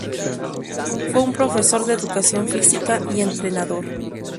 Fue un Profesor de educación física y entrenador.